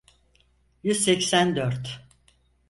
Yüz seksen dört.